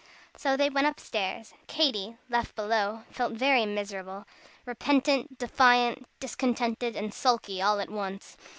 So they went up stairs. Katy, left below, felt very miserable: repentant, defiant, discontented, and sulky all at once.